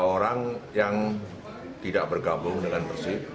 orang yang tidak bergabung dengan persib